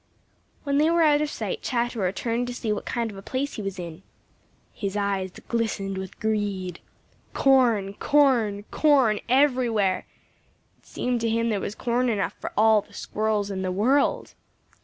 When they were out of sight, Chatterer turned to see what kind of a place he was in. His eyes glistened with greed. Corn, corn, com everywhere! It seemed to him there was corn enough for all the Squirrels in the world.